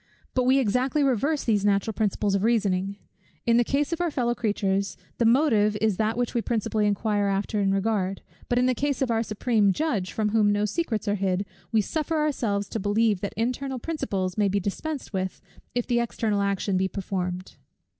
But we exactly reverse these natural principles of reasoning. In the case of our fellow creatures, the motive is that which we principally inquire after and regard. But in the case of our Supreme Judge, from whom no secrets are hid, we suffer ourselves to believe that internal principles may be dispensed with, if the external action be performed!